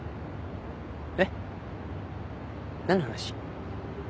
えっ？何の話？